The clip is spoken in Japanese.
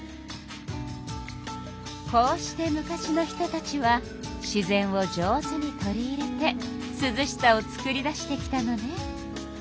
こうして昔の人たちは自然を上手に取り入れてすずしさをつくり出してきたのね。